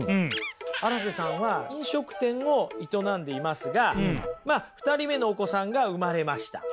荒瀬さんは飲食店を営んでいますがまあ２人目のお子さんが産まれました。